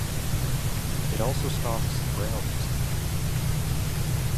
It also stocks braille music.